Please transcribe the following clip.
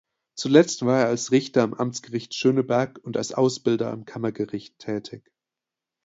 Zuletzt war er als Richter am Amtsgericht Schöneberg und als Ausbilder am Kammergericht tätig.